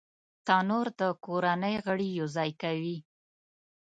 تنور د کورنۍ غړي یو ځای کوي